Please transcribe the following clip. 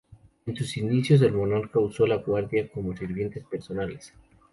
En sus inicios el monarca uso la Guardia como sirvientes personales.